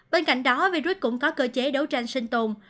bên cạnh đó virus cũng có cơ chế đấu tranh sinh tồn